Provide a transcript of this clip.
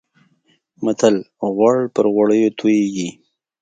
متل: غوړ پر غوړو تويېږي.